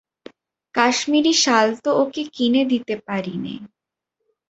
কাশ্মীরি শাল তো ওকে কিনে দিতে পারি নে।